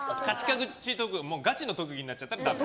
ガチの特技になっちゃったらダメ。